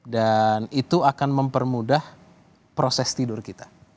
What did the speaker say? dan itu akan mempermudah proses tidur kita